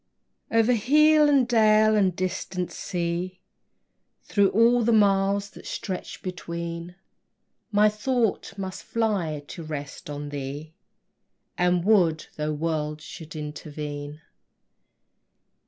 O'er hill, and dale, and distant sea, Through all the miles that stretch between, My thought must fly to rest on thee, And would, though worlds should intervene.